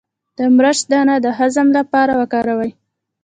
د مرچ دانه د هضم لپاره وکاروئ